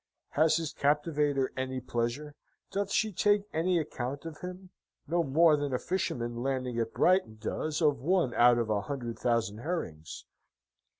Has his captivator any pleasure? Doth she take any account of him? No more than a fisherman landing at Brighton does of one out of a hundred thousand herrings....